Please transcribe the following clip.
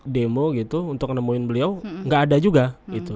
demo gitu untuk menemuin beliau enggak ada juga gitu